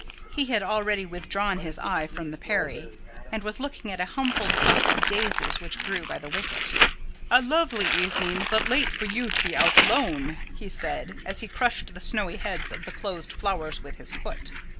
He had already withdrawn his eye from the Peri, and was looking at a humble tuft of daisies which grew by the wicket. "A lovely evening, but late for you to be out alone," he said, as he crushed the snowy heads of the closed flowers with his foot.